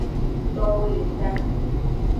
Towo le ta.